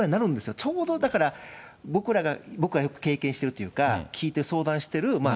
ちょうどだから、僕らが、僕らがよく経験してるというか、聞いて相談してる